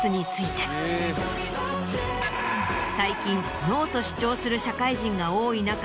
最近ＮＯと主張する社会人が多い中